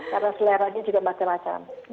karena selera dia juga macam macam